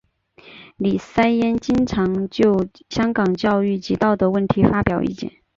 李偲嫣经常就香港教育及道德问题发表意见。